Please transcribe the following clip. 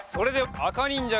あかにんじゃ！